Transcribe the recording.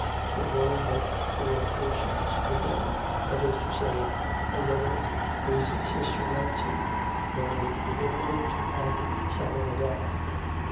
There were but four persons within: that is to say, her lover, his sister Nancy, Mary the invalid, and Sarah M'Gowan.